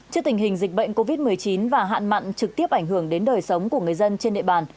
trước tình hình dịch bệnh covid một mươi chín và hạn mặn trực tiếp ảnh hưởng đến đời sống của người dân trên địa bàn